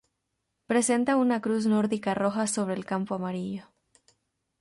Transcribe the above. Presenta una cruz nórdica roja sobre campo amarillo.